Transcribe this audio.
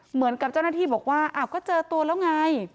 เหมือนกับเจ้าหน้าที่บอกว่าอ้าวก็เจอตัวแล้วไง